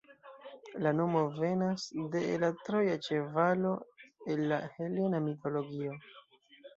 La nomo venas de la troja ĉevalo el la helena mitologio.